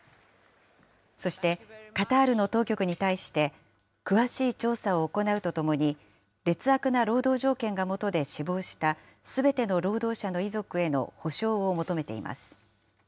そしてカタールの当局に対して、詳しい調査を行うとともに、劣悪な労働条件が元で死亡したすべての労働者の遺族への補償を求めています。